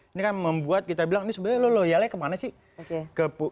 ini kan membuat kita bilang ini sebenarnya lo loyalnya kemana sih